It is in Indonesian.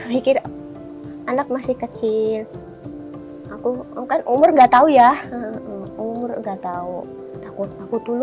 bikin anak masih kecil aku kan umur enggak tahu ya umur enggak tahu takut aku dulu